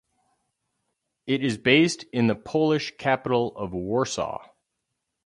It is based in the Polish capital of Warsaw.